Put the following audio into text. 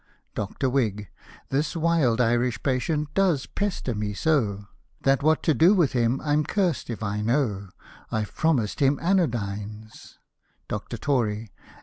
Dr. Whig. — This wild Irish patient does pester me so, That what to do with him, I'm curst if I know ; I've promised him anodynes Dr. Tory.